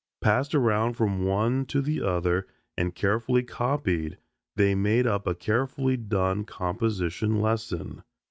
Passed around from one to the other and carefully copied they made up a carefully done composition lesson.